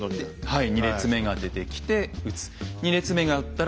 はい。